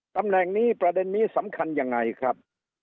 ตำแหน่งนี้ประเด็นนี้สำคัญยังไงครับ